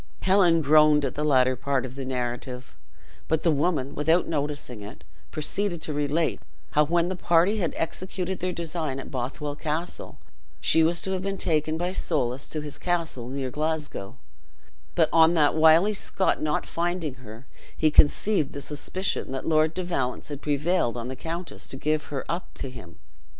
Helen groaned at the latter part of the narrative, but the woman, without noticing it, proceeded to relate how, when the party had executed their design at Bothwell Castle, she was to have been taken by Soulis to his castle near Glasgow; but on that wily Scot not finding her, he conceived the suspicion that Lord de Valence had prevailed on the countess to give her up to him.